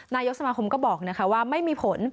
นายกสมาคมก็บอกว่าไม่มีผล